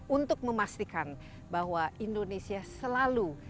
untuk memastikan bahwa indonesia selalu